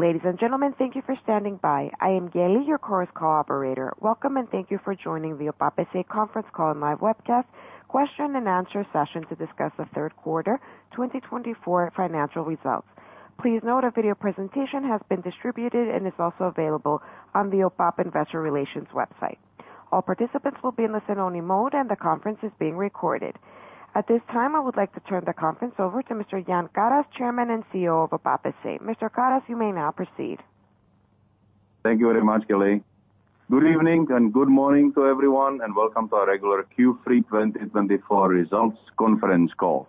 Ladies and gentlemen, thank you for standing by. I am Gaily, your Chorus Call operator. Welcome and thank you for joining the OPAP S.A. Conference Call and Live Webcast Question and Answer Session to discuss the third quarter, 2024, financial results. Please note a video presentation has been distributed and is also available on the OPAP Investor Relations website. All participants will be in listen-only mode, and the conference is being recorded. At this time, I would like to turn the conference over to Mr. Jan Karas, Chairman and CEO of OPAP S.A. Mr. Karas, you may now proceed. Thank you very much, Gaily. Good evening and good morning to everyone, and welcome to our regular Q3 2024 results conference call.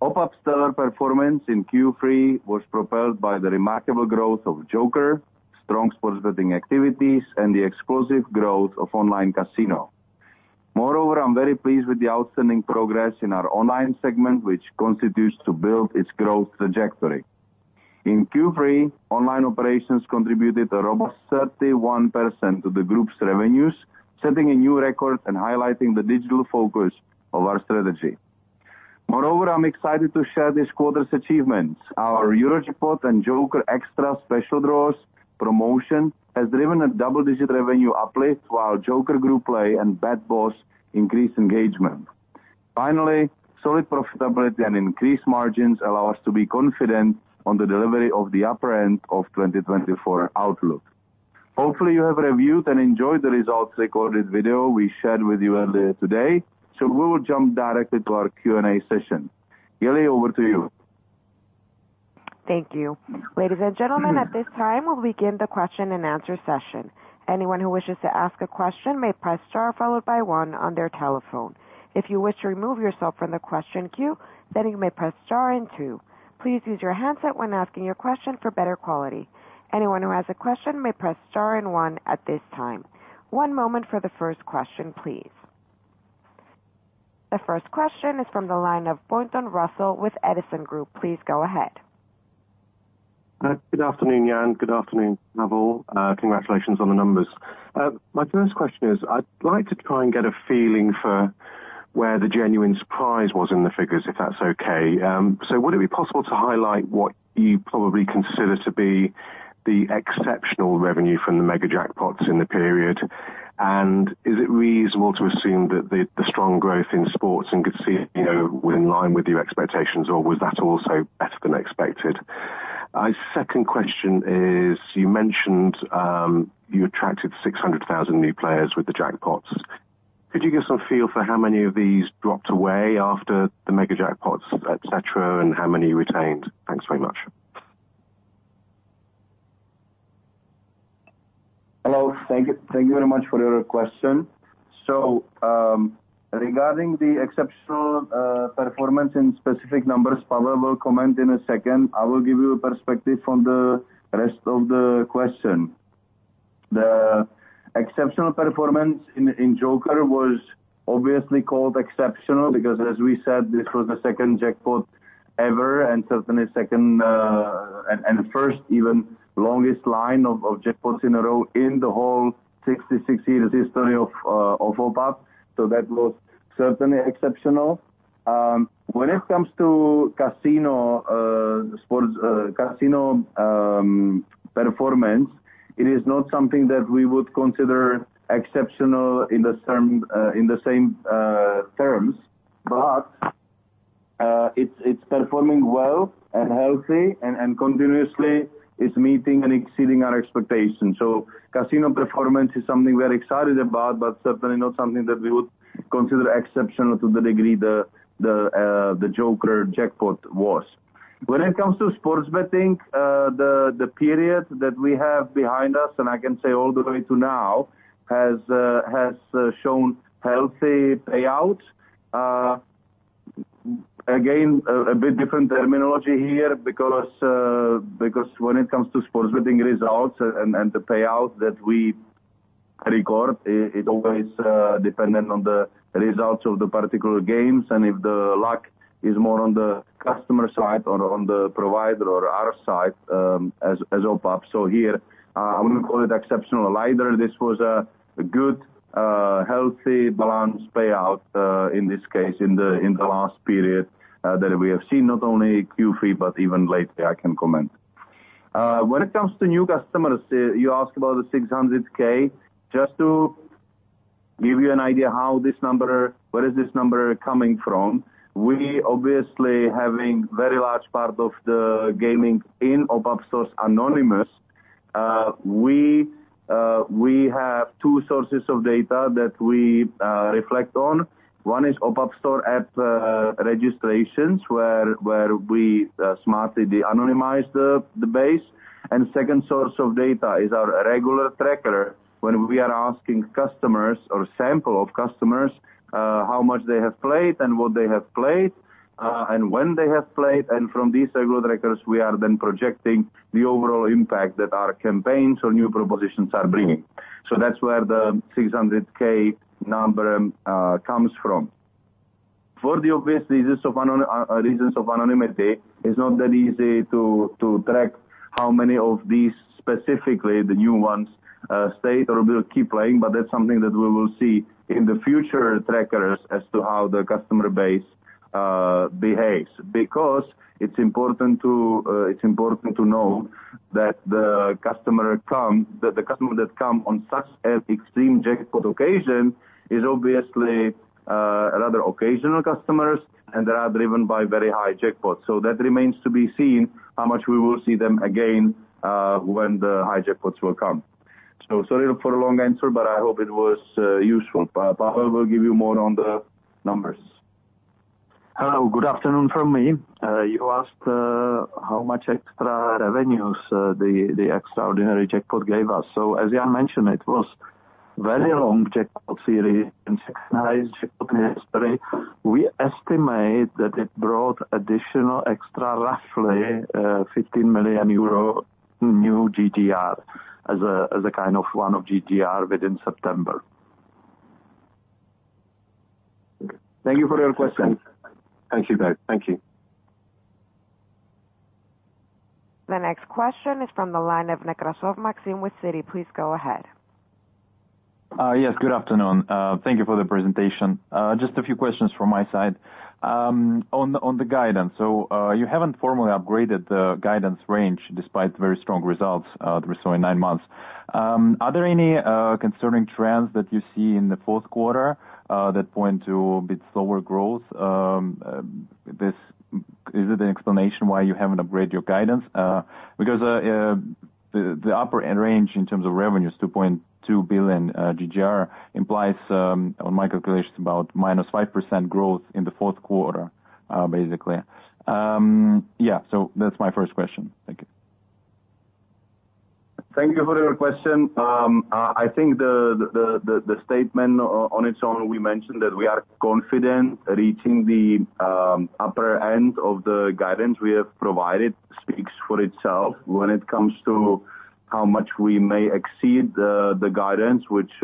OPAP's stellar performance in Q3 was propelled by the remarkable growth of Joker, strong sports betting activities, and the explosive growth of online casino. Moreover, I'm very pleased with the outstanding progress in our online segment, which contributes to build its growth trajectory. In Q3, online operations contributed a robust 31% to the group's revenues, setting a new record and highlighting the digital focus of our strategy. Moreover, I'm excited to share this quarter's achievements. Our Eurojackpot and Joker Extra Special Draws promotion has driven a double-digit revenue uplift, while Joker Group Play and Bad Boss increase engagement. Finally, solid profitability and increased margins allow us to be confident on the delivery of the upper end of 2024 outlook. Hopefully, you have reviewed and enjoyed the results recorded video we shared with you earlier today, so we will jump directly to our Q&A session. Gaily, over to you. Thank you. Ladies and gentlemen, at this time, we'll begin the question and answer session. Anyone who wishes to ask a question may press star followed by one on their telephone. If you wish to remove yourself from the question queue, then you may press star and two. Please use your handset when asking your question for better quality. Anyone who has a question may press star and one at this time. One moment for the first question, please. The first question is from the line of Russell Pointon with Edison Group. Please go ahead. Good afternoon, Jan. Good afternoon, Pavel. Congratulations on the numbers. My first question is, I'd like to try and get a feeling for where the genuine surprise was in the figures, if that's okay. So would it be possible to highlight what you probably consider to be the exceptional revenue from the mega jackpots in the period? And is it reasonable to assume that the strong growth in sports and casino was in line with your expectations, or was that also better than expected? My second question is, you mentioned you attracted 600,000 new players with the jackpots. Could you give us a feel for how many of these dropped away after the mega jackpots, etc., and how many you retained? Thanks very much. Hello. Thank you very much for your question, so regarding the exceptional performance in specific numbers, Pavel will comment in a second. I will give you a perspective from the rest of the question. The exceptional performance in Joker was obviously called exceptional because, as we said, this was the second jackpot ever, and certainly second and first, even longest line of jackpots in a row in the whole 66-year history of OPAP, so that was certainly exceptional. When it comes to casino performance, it is not something that we would consider exceptional in the same terms, but it's performing well and healthy, and continuously is meeting and exceeding our expectations, so casino performance is something we are excited about, but certainly not something that we would consider exceptional to the degree the Joker jackpot was. When it comes to sports betting, the period that we have behind us, and I can say all the way to now, has shown healthy payouts. Again, a bit different terminology here because when it comes to sports betting results and the payout that we record, it always depends on the results of the particular games, and if the luck is more on the customer side or on the provider or our side as OPAP. So here, I wouldn't call it exceptional either. This was a good, healthy, balanced payout in this case, in the last period that we have seen, not only Q3, but even later, I can comment. When it comes to new customers, you asked about the 600K. Just to give you an idea how this number, where is this number coming from, we obviously have a very large part of the gaming in OPAP stores and online. We have two sources of data that we reflect on. One is OPAP Store app registrations, where we smartly anonymize the base. And the second source of data is our regular tracker when we are asking customers or a sample of customers how much they have played and what they have played and when they have played. And from these regular trackers, we are then projecting the overall impact that our campaigns or new propositions are bringing. So that's where the 600K number comes from. For the obvious reasons of anonymity, it's not that easy to track how many of these specifically, the new ones, stayed or will keep playing, but that's something that we will see in the future trackers as to how the customer base behaves. Because it's important to know that the customer that comes on such an extreme jackpot occasion is obviously rather occasional customers, and they are driven by very high jackpots. So that remains to be seen how much we will see them again when the high jackpots will come. So sorry for the long answer, but I hope it was useful. Pavel will give you more on the numbers. Hello. Good afternoon from me. You asked how much extra revenues the extraordinary jackpot gave us. So as Jan mentioned, it was a very long jackpot series and nice jackpot history. We estimate that it brought additional extra roughly 15 million euro new GGR as a kind of one-off GGR within September. Thank you for your question. Thank you very much. Thank you. The next question is from the line of Nekrasov Maxim with Citi. Please go ahead. Yes. Good afternoon. Thank you for the presentation. Just a few questions from my side. On the guidance, so you haven't formally upgraded the guidance range despite very strong results that we saw in nine months. Are there any concerning trends that you see in the fourth quarter that point to a bit slower growth? Is it an explanation why you haven't upgraded your guidance? Because the upper end range in terms of revenues, 2.2 billion GGR, implies, on my calculations, about minus 5% growth in the fourth quarter, basically. Yeah. So that's my first question. Thank you. Thank you for your question. I think the statement on its own, we mentioned that we are confident reaching the upper end of the guidance we have provided, speaks for itself when it comes to how much we may exceed the guidance, which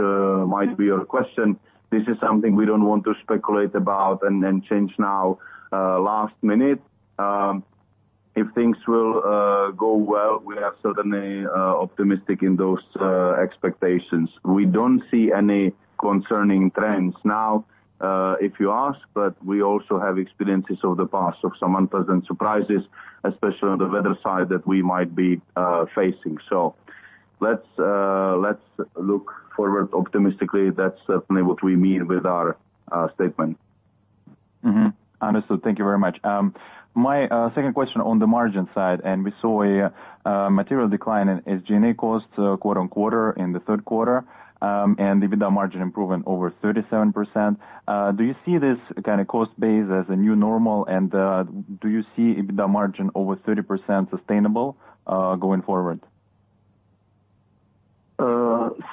might be your question. This is something we don't want to speculate about and change now last minute. If things will go well, we are certainly optimistic in those expectations. We don't see any concerning trends now, if you ask, but we also have experiences of the past of some unpleasant surprises, especially on the weather side that we might be facing. So let's look forward optimistically. That's certainly what we mean with our statement. Understood. Thank you very much. My second question on the margin side, and we saw a material decline in SG&A costs quarter on quarter in the third quarter, and EBITDA margin improving over 37%. Do you see this kind of cost base as a new normal, and do you see EBITDA margin over 30% sustainable going forward?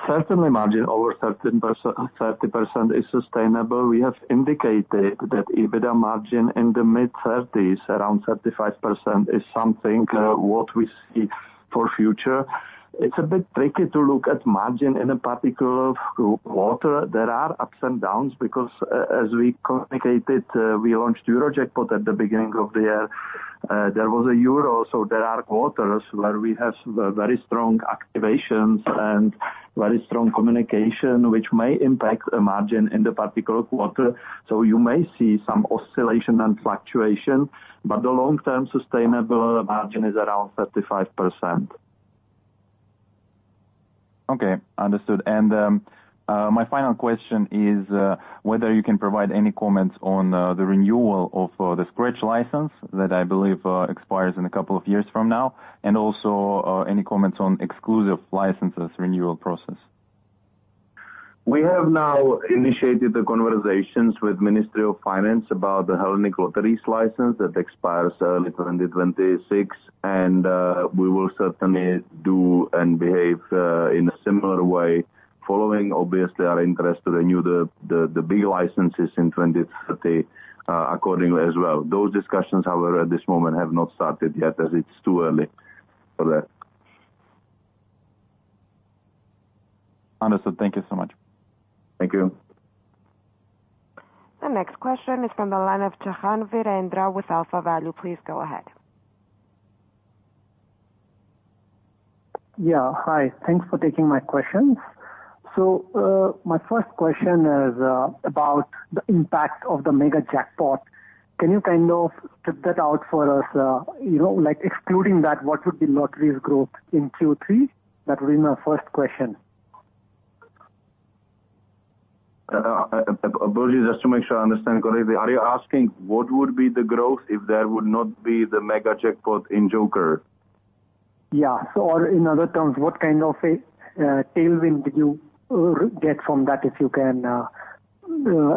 Certainly, margin over 30% is sustainable. We have indicated that EBITDA margin in the mid-30s, around 35%, is something what we see for future. It's a bit tricky to look at margin in a particular quarter. There are ups and downs because, as we communicated, we launched Eurojackpot at the beginning of the year. There was a Euro, so there are quarters where we have very strong activations and very strong communication, which may impact a margin in the particular quarter. So you may see some oscillation and fluctuation, but the long-term sustainable margin is around 35%. Okay. Understood, and my final question is whether you can provide any comments on the renewal of the scratch license that I believe expires in a couple of years from now, and also any comments on exclusive licenses renewal process? We have now initiated the conversations with the Ministry of Finance about the Hellenic Lotteries license that expires early 2026, and we will certainly do and behave in a similar way, following, obviously, our interest to renew the big licenses in 2030 accordingly as well. Those discussions, however, at this moment have not started yet, as it's too early for that. Understood. Thank you so much. Thank you. The next question is from the line of Jahanveer Indra with Alpha Value. Please go ahead. Yeah. Hi. Thanks for taking my questions. So my first question is about the impact of the mega jackpot. Can you kind of break that out for us? Excluding that, what would be lotteries growth in Q3? That would be my first question. Apologies. Just to make sure I understand correctly, are you asking what would be the growth if there would not be the mega jackpot in Joker? Yeah. Or in other terms, what kind of tailwind did you get from that, if you can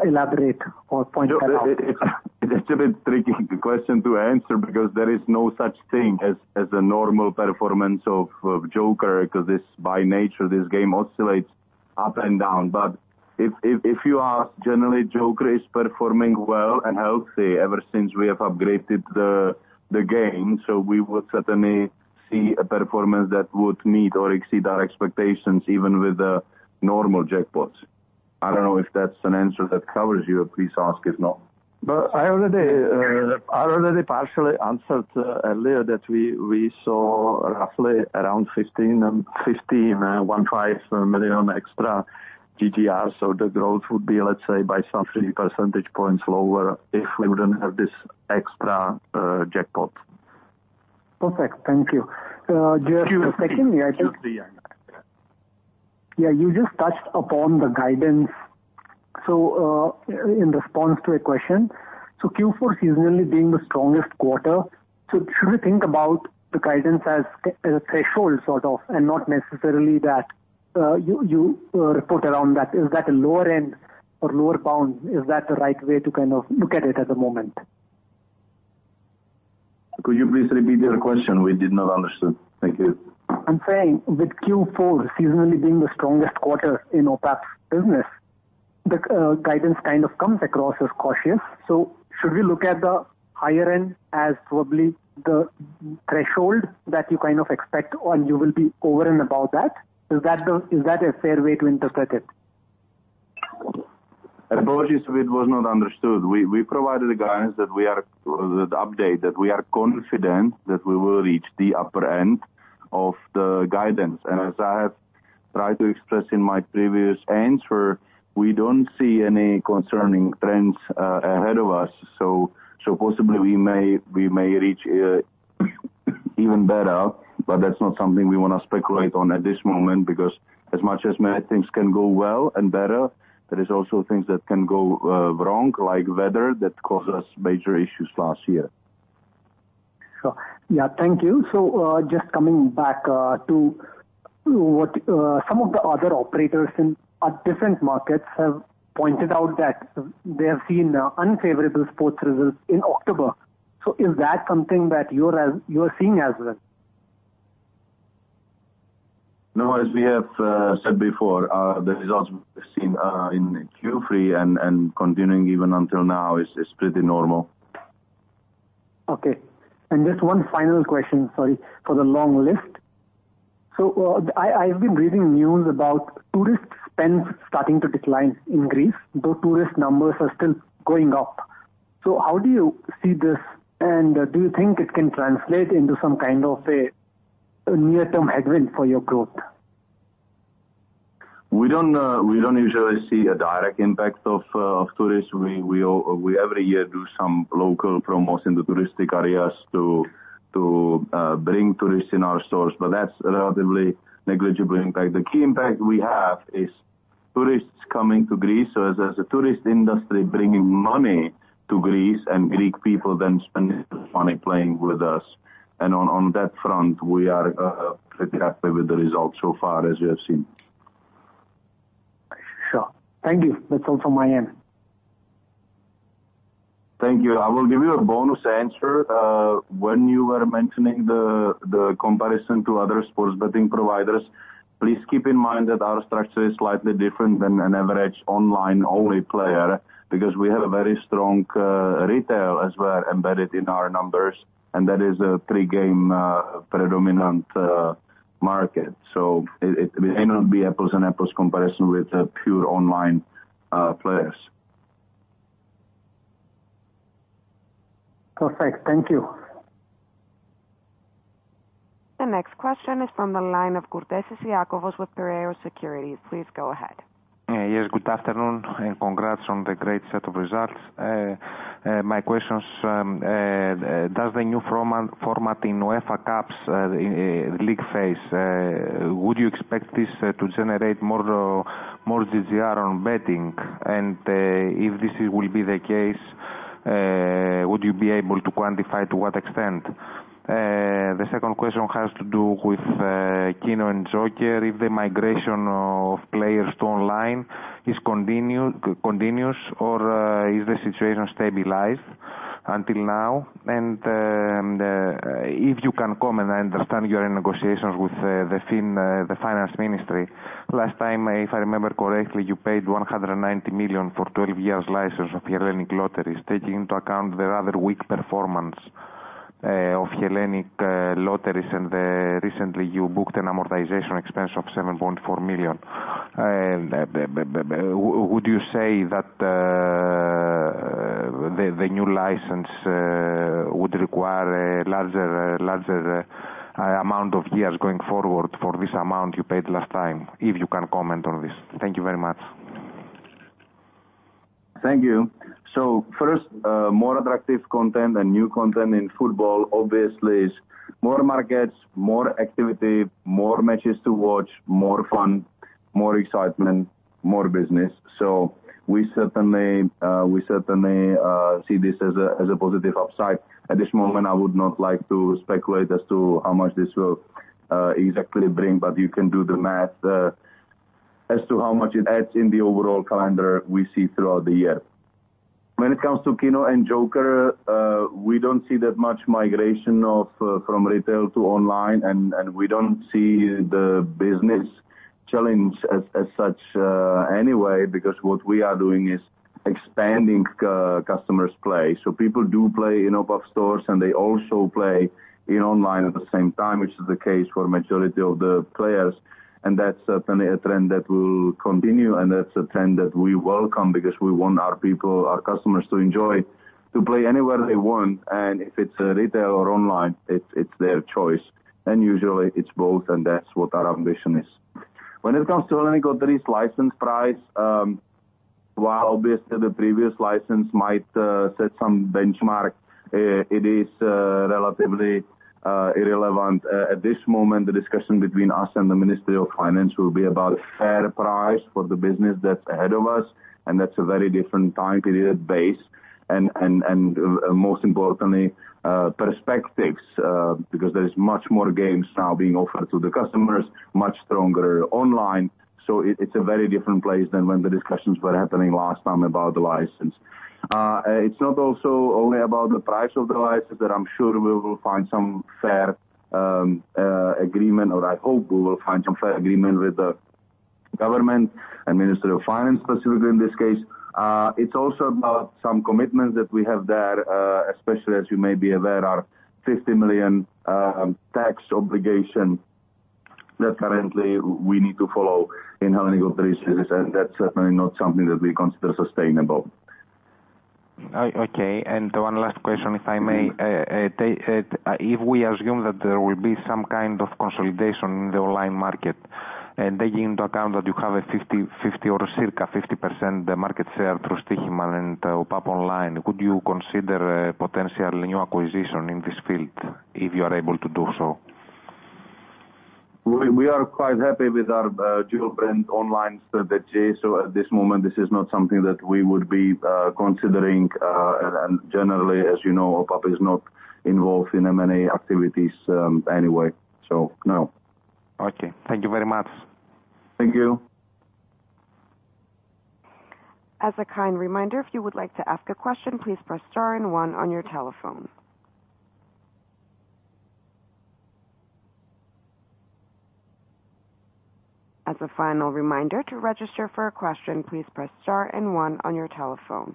elaborate or point that out? It's a bit tricky question to answer because there is no such thing as a normal performance of Joker because, by nature, this game oscillates up and down. But if you ask, generally, Joker is performing well and healthy ever since we have upgraded the game, so we would certainly see a performance that would meet or exceed our expectations even with the normal jackpots. I don't know if that's an answer that covers you. Please ask if not. But I already partially answered earlier that we saw roughly around 15, 15 million extra GGR, so the growth would be, let's say, by some 3 percentage points lower if we wouldn't have this extra jackpot. Perfect. Thank you. Just a second. Q3. Yeah. You just touched upon the guidance. So in response to a question, so Q4 seasonally being the strongest quarter, should we think about the guidance as a threshold sort of and not necessarily that you put around that? Is that a lower end or lower bound? Is that the right way to kind of look at it at the moment? Could you please repeat your question? We did not understand. Thank you. I'm saying with Q4 seasonally being the strongest quarter in OPAP's business, the guidance kind of comes across as cautious. So should we look at the higher end as probably the threshold that you kind of expect, and you will be over and above that? Is that a fair way to interpret it? Apologies if it was not understood. We provided a guidance that we are upbeat that we are confident that we will reach the upper end of the guidance. And as I have tried to express in my previous answer, we don't see any concerning trends ahead of us. So possibly we may reach even better, but that's not something we want to speculate on at this moment because as much as many things can go well and better, there are also things that can go wrong, like weather that caused us major issues last year. Sure. Yeah. Thank you. So just coming back to what some of the other operators in different markets have pointed out that they have seen unfavorable sports results in October. So is that something that you are seeing as well? No. As we have said before, the results we've seen in Q3 and continuing even until now is pretty normal. Okay. And just one final question, sorry, for the long list. So I've been reading news about tourist spend starting to decline in Greece. The tourist numbers are still going up. So how do you see this, and do you think it can translate into some kind of a near-term headwind for your growth? We don't usually see a direct impact of tourists. We every year do some local promos in the touristic areas to bring tourists in our stores, but that's a relatively negligible impact. The key impact we have is tourists coming to Greece, so as a tourist industry bringing money to Greece, and Greek people then spending money playing with us, and on that front, we are pretty happy with the results so far as you have seen. Sure. Thank you. That's all from my end. Thank you. I will give you a bonus answer. When you were mentioning the comparison to other sports betting providers, please keep in mind that our structure is slightly different than an average online-only player because we have a very strong retail as well embedded in our numbers, and that is a pre-game predominant market. So it may not be apples and apples comparison with pure online players. Perfect. Thank you. The next question is from the line of Kourtesis Iakovos with Piraeus Securities. Please go ahead. Yes. Good afternoon and congrats on the great set of results. My question is, does the new format in UEFA Cups, League phase, would you expect this to generate more GGR on betting? And if this will be the case, would you be able to quantify to what extent? The second question has to do with Kino and Joker, if the migration of players to online is continuous or is the situation stabilized until now? And if you can comment, I understand you are in negotiations with the Finance Ministry. Last time, if I remember correctly, you paid 190 million for 12-year license of Hellenic Lotteries, taking into account the rather weak performance of Hellenic Lotteries, and recently you booked an amortization expense of 7.4 million. Would you say that the new license would require a larger amount of years going forward for this amount you paid last time? If you can comment on this. Thank you very much. Thank you. So first, more attractive content and new content in football, obviously, is more markets, more activity, more matches to watch, more fun, more excitement, more business. So we certainly see this as a positive upside. At this moment, I would not like to speculate as to how much this will exactly bring, but you can do the math as to how much it adds in the overall calendar we see throughout the year. When it comes to Kino and Joker, we don't see that much migration from retail to online, and we don't see the business challenge as such anyway because what we are doing is expanding customers' play. So people do play in OPAP stores, and they also play in online at the same time, which is the case for the majority of the players. That's certainly a trend that will continue, and that's a trend that we welcome because we want our people, our customers to enjoy it, to play anywhere they want. If it's retail or online, it's their choice. Usually, it's both, and that's what our ambition is. When it comes to Hellenic Lotteries license price, while obviously the previous license might set some benchmark, it is relatively irrelevant. At this moment, the discussion between us and the Ministry of Finance will be about a fair price for the business that's ahead of us, and that's a very different time period base. Most importantly, perspectives because there are much more games now being offered to the customers, much stronger online. It's a very different place than when the discussions were happening last time about the license. It's not also only about the price of the license that I'm sure we will find some fair agreement, or I hope we will find some fair agreement with the government and Ministry of Finance, specifically in this case. It's also about some commitments that we have there, especially as you may be aware, our 50 million tax obligation that currently we need to follow in Hellenic Lotteries, and that's certainly not something that we consider sustainable. Okay. And one last question, if I may. If we assume that there will be some kind of consolidation in the online market, taking into account that you have a 50% or circa 50% market share through Stoiximan and OPAP Online, would you consider a potential new acquisition in this field if you are able to do so? We are quite happy with our dual-brand online strategy. So at this moment, this is not something that we would be considering. And generally, as you know, OPAP is not involved in M&A activities anyway. So no. Okay. Thank you very much. Thank you. As a kind reminder, if you would like to ask a question, please press star and one on your telephone. As a final reminder, to register for a question, please press star and one on your telephone.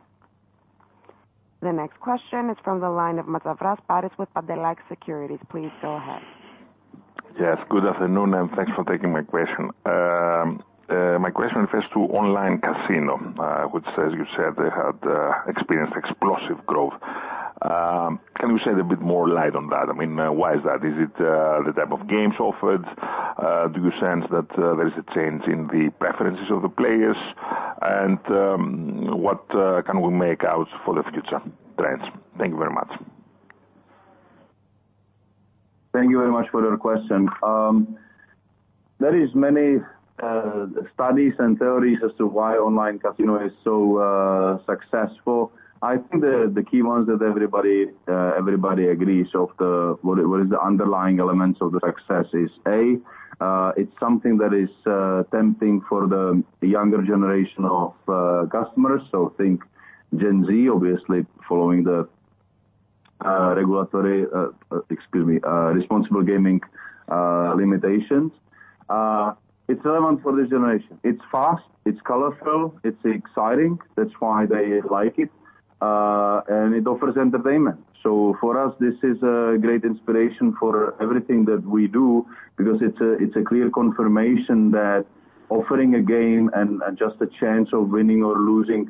The next question is from the line of Mantzavras Paris with Pantelakis Securities. Please go ahead. Yes. Good afternoon, and thanks for taking my question. My question refers to online casino, which, as you said, they had experienced explosive growth. Can you shed a bit more light on that? I mean, why is that? Is it the type of games offered? Do you sense that there is a change in the preferences of the players? And what can we make out for the future trends? Thank you very much. Thank you very much for your question. There are many studies and theories as to why online casino is so successful. I think the key ones that everybody agrees of what is the underlying elements of the success is, A, it's something that is tempting for the younger generation of customers, so think Gen Z, obviously, following the regulatory, excuse me, responsible gaming limitations. It's relevant for this generation. It's fast. It's colorful. It's exciting. That's why they like it and it offers entertainment, so for us, this is a great inspiration for everything that we do because it's a clear confirmation that offering a game and just a chance of winning or losing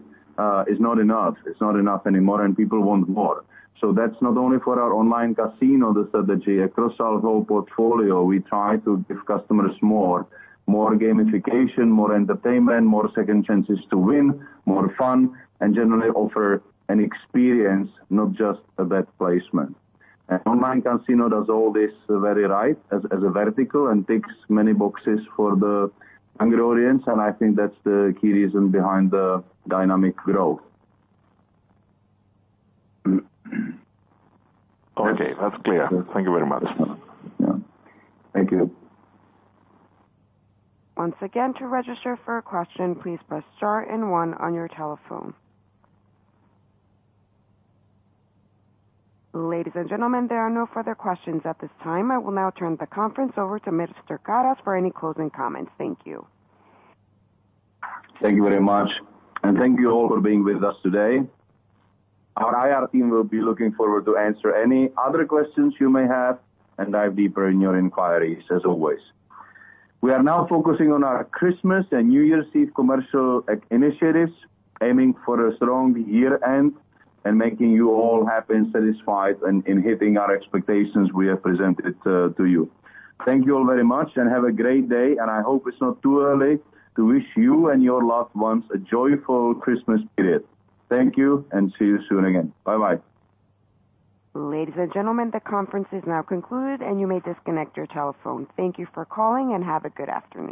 is not enough. It's not enough anymore, and people want more, so that's not only for our online casino strategy. Across our whole portfolio, we try to give customers more gamification, more entertainment, more second chances to win, more fun, and generally offer an experience, not just a bet placement, and online casino does all this very right as a vertical and ticks many boxes for the younger audience, and I think that's the key reason behind the dynamic growth. Okay. That's clear. Thank you very much. Thank you. Once again, to register for a question, please press star and one on your telephone. Ladies and gentlemen, there are no further questions at this time. I will now turn the conference over to Mr. Karas for any closing comments. Thank you. Thank you very much and thank you all for being with us today. Our IR team will be looking forward to answer any other questions you may have and dive deeper in your inquiries, as always. We are now focusing on our Christmas and New Year's Eve commercial initiatives, aiming for a strong year-end and making you all happy and satisfied in hitting our expectations we have presented to you. Thank you all very much, and have a great day. I hope it's not too early to wish you and your loved ones a joyful Christmas period. Thank you, and see you soon again. Bye-bye. Ladies and gentlemen, the conference is now concluded, and you may disconnect your telephone. Thank you for calling, and have a good afternoon.